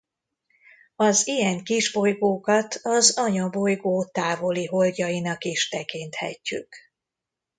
Az ilyen kisbolygókat az anyabolygó távoli holdjainak is tekinthetjük.